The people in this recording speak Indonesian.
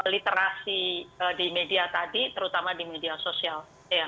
literasi di media tadi terutama di media sosial